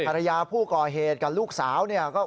ภรรยาผู้ก่อเหตุกับลูกสาว